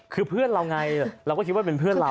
คือเพื่อนเราไงเราก็คิดว่าเป็นเพื่อนเรา